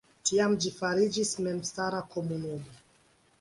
Tiam ĝi fariĝis memstara komunumo.